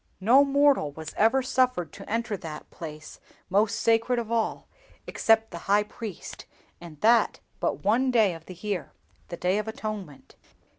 "No mortal was ever suffered to enter that place, most sacred of all, except the High Priest, and that but on one day of the year—the Day of Atonement.